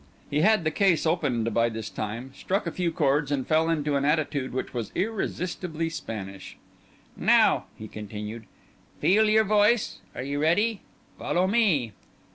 He had the case opened by this time, struck a few chords, and fell into an attitude which was irresistibly Spanish. "Now," he continued, "feel your voice. Are you ready? Follow me!"